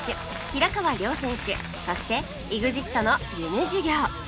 平川亮選手そして ＥＸＩＴ の夢授業